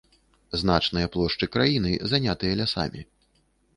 Значныя плошчы краіны занятыя лясамі.